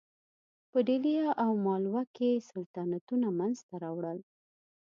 په ډهلي او مالوه کې سلطنتونه منځته راوړل.